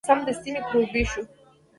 سمدستي میکروبي شو.